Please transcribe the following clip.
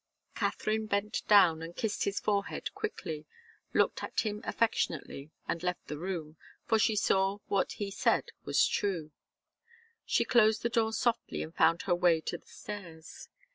Katharine bent down and kissed his forehead quickly, looked at him affectionately and left the room, for she saw that what he said was true. She closed the door softly and found her way to the stairs.